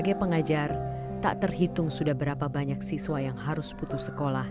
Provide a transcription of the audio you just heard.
sebagai pengajar tak terhitung sudah berapa banyak siswa yang harus putus sekolah